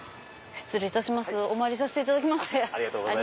失礼いたしますお参りさせていただきまして。